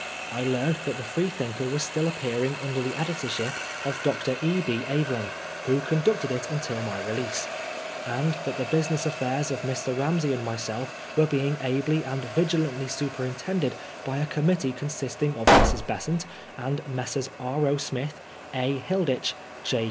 I learned that the Freethinker was still ap pearing under the editorship of Dr. E. B. Aveling, who conducted it until my release ; and that the busi ness affairs of Mr. Ramsey and myself were being ably and vigilantly superintended by a committee consisting of Mrs. Besant, and Messrs. R. 0. Smith, A. Hilditch, J.